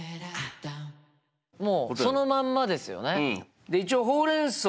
もうそのまんまですよね。